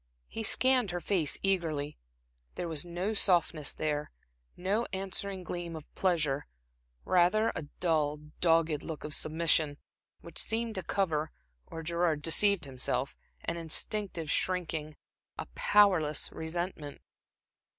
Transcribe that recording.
He scanned her face eagerly. There was no softness there, no answering gleam of pleasure; rather a dull, dogged look of submission, which seemed to cover, or Gerard deceived himself, an instinctive shrinking, a powerless resentment.